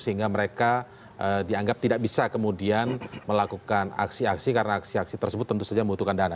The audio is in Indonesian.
sehingga mereka dianggap tidak bisa kemudian melakukan aksi aksi karena aksi aksi tersebut tentu saja membutuhkan dana